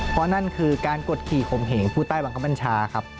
เพราะนั่นคือการกดขี่ขมเหงผู้ใต้บังคับบัญชาครับ